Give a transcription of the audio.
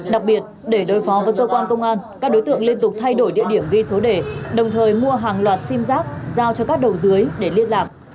đặc biệt để đối phó với cơ quan công an các đối tượng liên tục thay đổi địa điểm ghi số đề đồng thời mua hàng loạt sim giác giao cho các đầu dưới để liên lạc